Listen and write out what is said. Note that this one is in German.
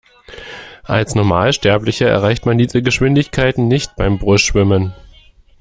Als Normalsterblicher erreicht man diese Geschwindigkeiten nicht beim Brustschwimmen.